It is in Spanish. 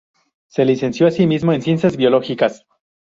Se licenció asimismo en Ciencias Biológicas.